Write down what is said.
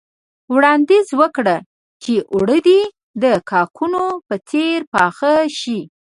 وړانديز وکړ چې اوړه دې د کاکونو په څېر پاخه شي.